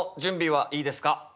はい。